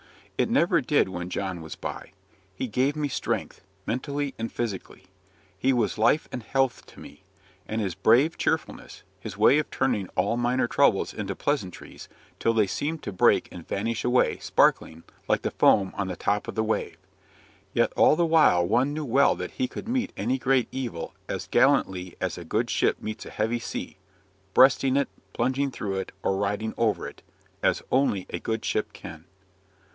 It never did when John was by. He gave me strength, mentally and physically. He was life and health to me, with his brave cheerfulness his way of turning all minor troubles into pleasantries, till they seemed to break and vanish away, sparkling, like the foam on the top of the wave. Yet, all the while one knew well that he could meet any great evil as gallantly as a good ship meets a heavy sea breasting it, plunging through it, or riding over it, as only a good ship can.